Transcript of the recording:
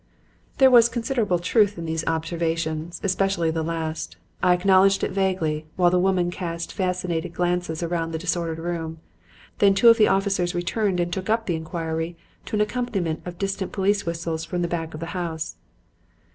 "There was considerable truth in these observations, especially the last. I acknowledged it vaguely, while the woman cast fascinated glances round the disordered room. Then two of the officers returned and took up the enquiry to an accompaniment of distant police whistles from the back of the house.